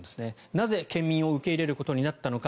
なぜ、県民を受け入れることになったのか。